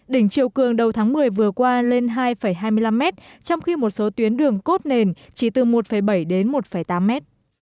đỉnh chiều cường đầu tháng một mươi vừa qua lên hai hai mươi năm mét trong khi một số tuyến đường cốt nền chỉ từ một bảy đến một tám mét